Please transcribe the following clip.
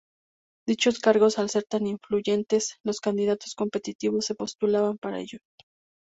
Dichos cargos al ser tan influyentes, los candidatos competitivos se postulaban para ellos.